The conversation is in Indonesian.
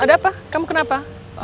ada apa kamu kenapa